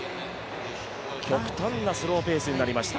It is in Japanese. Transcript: スローペースになりました。